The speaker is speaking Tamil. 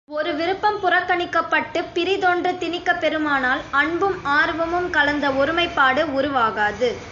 ஒரு விருப்பம் புறக்கணிக்கப்பட்டுப் பிறிதொன்று திணிக்கப் பெறுமானால் அன்பும் ஆர்வமும் கலந்த ஒருமைப்பாடு உருவாகாது.